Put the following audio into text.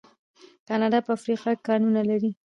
کاناډا په افریقا کې کانونه لري.